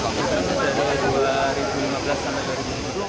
berarti dari dua ribu lima belas sampai dua ribu dua puluh